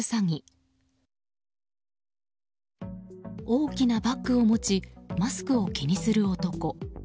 大きなバッグを持ちマスクを気にする男。